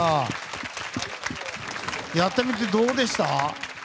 やってみてどうでした？